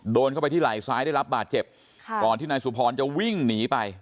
โดนเข้าไปที่ไหล่ซ้ายได้รับบาดเจ็บค่ะก่อนที่นายสุพรจะวิ่งหนีไป